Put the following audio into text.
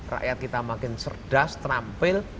rakyat kita makin cerdas terampil